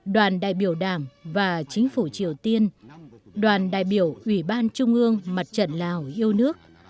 đoàn đại biểu đảng và chính phủ triều tiên đoàn đại biểu ủy ban trung ương mặt trận lào yêu nước